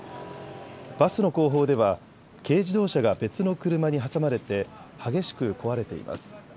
バスの後方では軽自動車が別の車に挟まれて激しく壊れています。